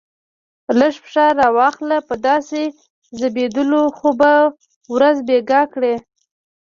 لږ پښه را واخله، په داسې ځبېدلو خو به ورځ بېګا کړې.